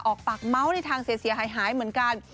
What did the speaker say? ออกปากเมาส์ในทางเสียหายเหมือนกัน